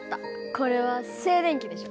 これは静電気でしょ。